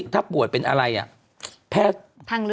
ทั้งทั้งทั้ง